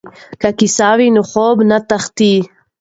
که کیسه وي نو خوب نه تښتي.